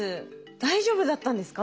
大丈夫だったんですか？